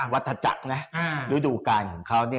วัตถจักรนะฤดูการของเขา